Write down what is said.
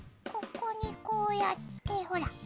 ここにこうやってほら。